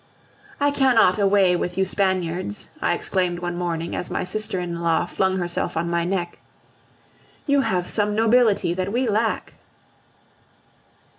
"I cannot away with you Spaniards!" I exclaimed one morning, as my sister in law flung herself on my neck. "You have some nobility that we lack."